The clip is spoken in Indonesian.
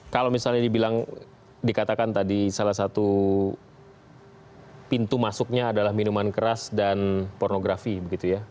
kalau misalnya dibilang dikatakan tadi salah satu pintu masuknya adalah minuman keras dan pornografi begitu ya